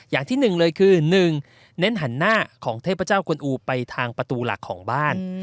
อย่างที่หนึ่งเลยคือ๑เน้นหันหน้าของเทพเจ้ากวนอูไปทางประตูหลักของบ้าน